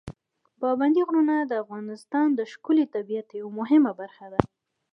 پابندي غرونه د افغانستان د ښکلي طبیعت یوه مهمه برخه ده.